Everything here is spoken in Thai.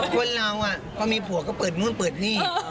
คนเราพอมีผัวก็เปิดนู่นเปิดนี่